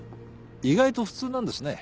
意外と普通なんですね。